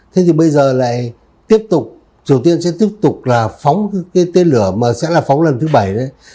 thế thì bây giờ lại tiếp tục triều tiên sẽ tiếp tục là phóng cái tên lửa mà sẽ là phóng lần thứ bảy đấy